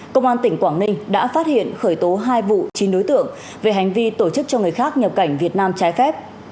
công an tỉnh quảng ninh đã phát hiện khởi tố hai vụ chín đối tượng về hành vi tổ chức cho người khác nhập cảnh việt nam trái phép